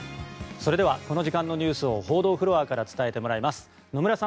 それではこの時間のニュースを報道フロアから伝えてもらいます野村さん